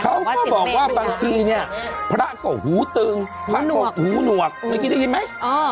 เขาก็บอกบางทีเนี้ยพระก่อนหูตึงผาก่อหูหนวกไม่กินได้ยินไหมอ่อ